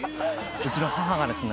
うちの母がですね